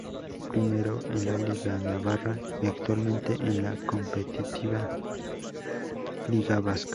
Primero en la liga navarra y actualmente en la competitiva liga vasca.